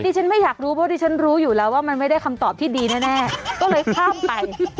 ฉันไม่อยากรู้เพราะดิฉันรู้อยู่แล้วว่ามันไม่ได้คำตอบที่ดีแน่ก็เลยข้ามไป